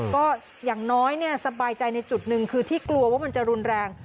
ก็อย่างน้อยสบายใจในจุดหนึ่งคือที่กลัวว่ามันจะรุนแรง